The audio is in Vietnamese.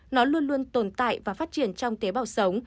nó luôn luôn tồn tại và phát triển trong tế bào sống